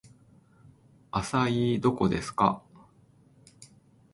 アサイーどこですか